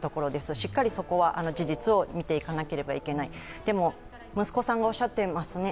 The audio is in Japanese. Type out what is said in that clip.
しっかりそこは事実を見ていかなければいけない、でも、息子さんがおっしゃっていますね。